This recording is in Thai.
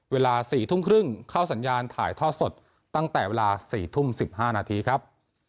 เวลา๔ทุ่มครึ่งเข้าสัญญาณถ่ายทอดสดตั้งแต่เวลา๔ทุ่ม๑๕นาทีครับ